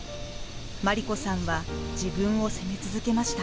真理子さんは自分を責め続けました。